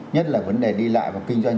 nhất là vấn đề đi lại và kinh doanh